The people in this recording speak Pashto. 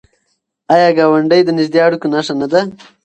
آیا ګاونډی د نږدې اړیکو نښه نه ده؟